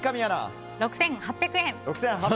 ６８００円。